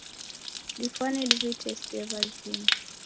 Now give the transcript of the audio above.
Dafwane diwitesie wazima.